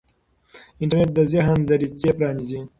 انټرنیټ د ذهن دریڅې پرانیزي.